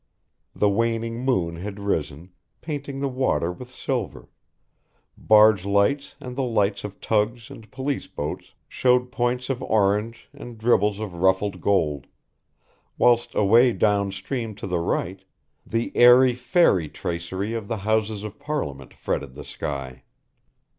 The waning moon had risen, painting the water with silver; barge lights and the lights of tugs and police boats shewed points of orange and dribbles of ruffled gold, whilst away down stream to the right, the airy fairy tracery of the Houses of Parliament fretted the sky.